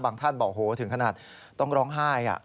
ท่านบอกโหถึงขนาดต้องร้องไห้